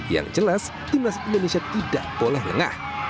yang jelas timnas indonesia tidak boleh lengah